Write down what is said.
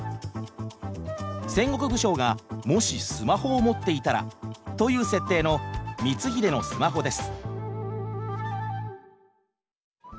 「戦国武将がもしスマホを持っていたら」という設定の「光秀のスマホ」です。